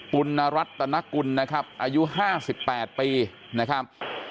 ปุณรัตนกุลนะครับอายุห้าสิบแปดปีนะครับ